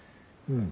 うん。